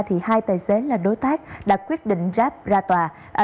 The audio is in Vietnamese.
thì hai tài xế là đối tác đã quyết định ráp ra tòa